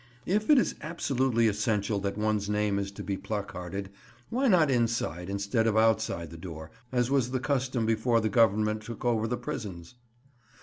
If it is absolutely essential that one's name is to be placarded, why not inside instead of outside the door, as was the custom before the Government took over the prisons?